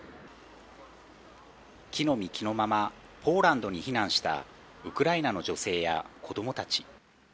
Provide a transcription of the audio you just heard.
着の身着のまま、ポーランドに避難したウクライナの女性や子供たち。